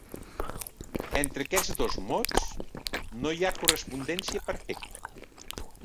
Entre aquests dos mots no hi ha correspondència perfecta.